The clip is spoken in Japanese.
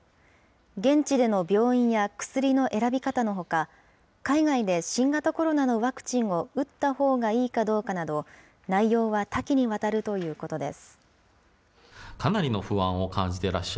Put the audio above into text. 現地での病院や薬の選び方のほか、海外で新型コロナのワクチンを打ったほうがいいかどうかなど、内容は多岐にわたるということです。